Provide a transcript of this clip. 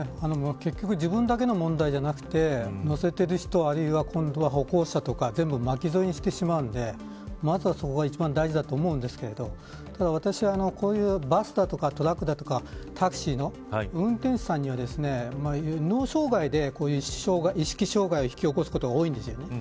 結局、自分だけの問題じゃなくて乗せている人歩行者など、全部巻き添えにしてしまうのでまずはそこが一番大事だと思いますがただ、私はバスやトラックなどタクシーなどの運転手さんには脳障害でこういう意識障害を引き起こすことが多いんですね。